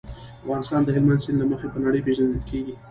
افغانستان د هلمند سیند له مخې په نړۍ پېژندل کېږي.